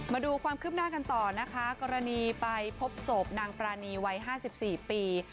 มาดูความคืบหน้ากันต่อนะคะกรณีไปพบศพนางปรานีวัย๕๔ปี